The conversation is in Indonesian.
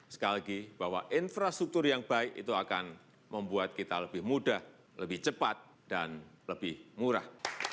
sekali lagi bahwa infrastruktur yang baik itu akan membuat kita lebih mudah lebih cepat dan lebih murah